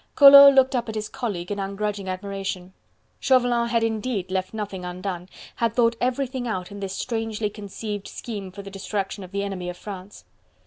Collot looked up at his colleague in ungrudging admiration. Chauvelin had indeed left nothing undone, had thought everything out in this strangely conceived scheme for the destruction of the enemy of France.